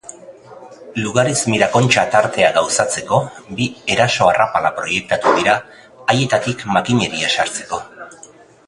Lugaritz-Mirakontxa tartea gauzatzeko bi eraso-arrapala proiektatu dira, haietatik makineria sartzeko.